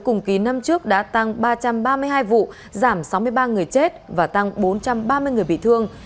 cùng kỳ năm trước đã tăng ba trăm ba mươi hai vụ giảm sáu mươi ba người chết và tăng bốn trăm ba mươi người bị thương